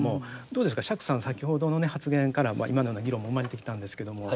どうですか釈さん先ほどの発言から今のような議論も生まれてきたんですけども。